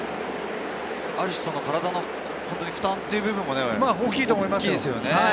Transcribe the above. ある種、体の負担という部分も大きいですよね。